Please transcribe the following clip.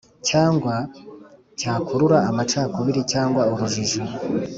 cyangwa cyakurura amacakubiri cyangwa urujijo